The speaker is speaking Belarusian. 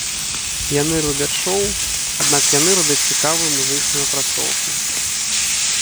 Яны робяць шоу, аднак яны робяць цікавую музычную апрацоўку.